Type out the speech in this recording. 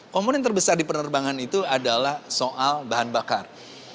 komponen terbesar di penerbangan itu adalah soal bahan bakar